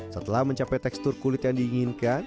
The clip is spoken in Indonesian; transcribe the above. setelah mencapai tekstur kulit yang diinginkan